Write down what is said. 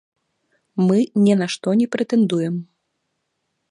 Мы не на што не прэтэндуем.